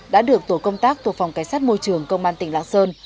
đã được tổ công tác tổ phòng cái sát môi trường công an tỉnh lạng sơn